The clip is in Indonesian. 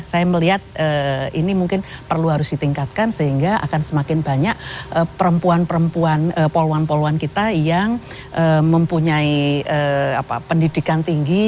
saya melihat ini mungkin perlu harus ditingkatkan sehingga akan semakin banyak perempuan perempuan poluan poluan kita yang mempunyai pendidikan tinggi